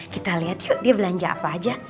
kita lihat yuk dia belanja apa aja